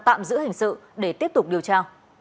tạm giữ hình sự để tiếp tục điều tra